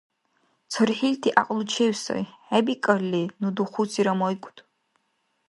ЦархӀилти гӀякьлучев сай хӀебикӀалли, ну духусира майкӀуд.